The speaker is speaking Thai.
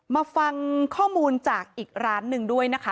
มาฟังข้อมูลจากอีกร้านหนึ่งด้วยนะคะ